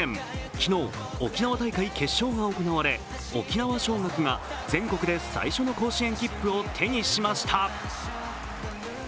昨日、沖縄大会決勝が行われ、沖縄尚学が全国で最初の甲子園切符を手にしました。